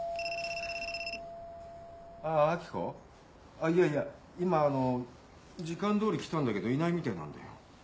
あっいやいや今あの時間どおり来たんだけどいないみたいなんだよ